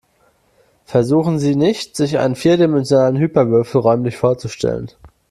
Versuchen Sie nicht, sich einen vierdimensionalen Hyperwürfel räumlich vorzustellen.